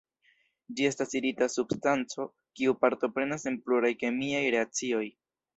Ĝi estas irita substanco kiu partoprenas en pluraj kemiaj reakcioj.